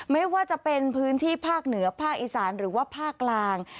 ไม่ว่าจะเป็นพื้นที่ภาคเหนือภาคอีสานหรือว่าภาคกลาง